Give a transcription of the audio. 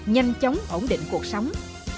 nhanh chóng ổn định cuộc sống